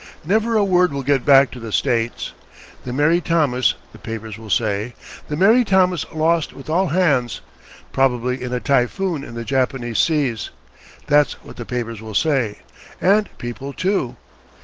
Never a word will get back to the States. 'The Mary Thomas,' the papers will say, 'the Mary Thomas lost with all hands. Probably in a typhoon in the Japanese seas.' That's what the papers will say, and people, too.